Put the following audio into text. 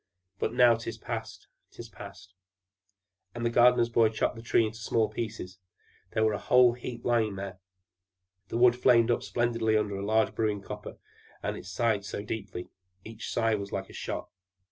But now 'tis past, 'tis past!" And the gardener's boy chopped the Tree into small pieces; there was a whole heap lying there. The wood flamed up splendidly under the large brewing copper, and it sighed so deeply! Each sigh was like a shot.